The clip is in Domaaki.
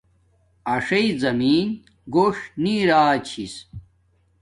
اݽݵ زمین گوݽ نی ارا چھس